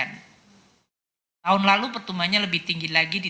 tahun lalu pertumbuhannya lebih tinggi lagi di tiga belas sembilan